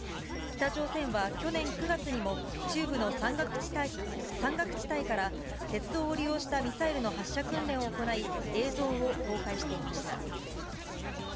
北朝鮮は去年９月にも、中部の山岳地帯から鉄道を利用したミサイルの発射訓練を行い、映像を公開していました。